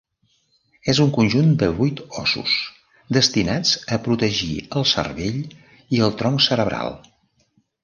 És un conjunt de vuit ossos destinats a protegir el cervell i el tronc cerebral.